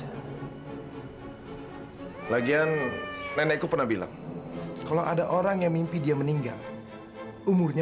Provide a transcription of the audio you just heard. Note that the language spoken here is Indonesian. hai lagian nenekku pernah bilang kalau ada orang yang mimpi dia meninggal umurnya